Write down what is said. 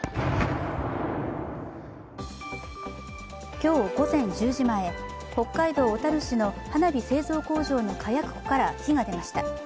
今日午前１０時前北海道小樽市の花火製造工場の火薬庫から火が出ました。